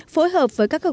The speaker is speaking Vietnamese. phối hợp với các đàn gia súc